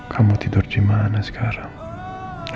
kamu tidur di mana sekarang